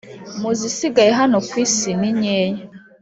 muzi sigaye hano ku isi ninkeya